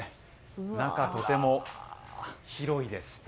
中はとても広いです。